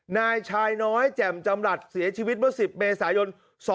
นายชายน้อยแจ่มจำหลัดเสียชีวิตเมื่อ๑๐เมษายน๒๕๖